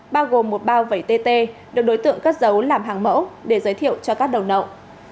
bao gồm một bao vẩy tt được đối tượng cất giấu làm hàng mẫu để giới thiệu cho các đầu nậu